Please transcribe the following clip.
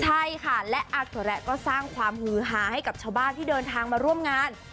ใช่ค่ะและอาถุระก็สร้างความฮือฮาให้กับชาวบ้านที่เดินทางมาร่วมงาน